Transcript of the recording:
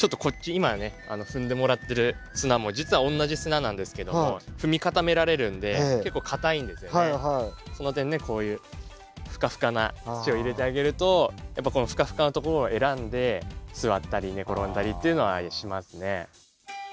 今ね踏んでもらってる砂も実は同じ砂なんですけどもその点ねこういうふかふかな土を入れてあげるとやっぱこのふかふかのところを選んで座ったり寝転んだりっていうのはしますね。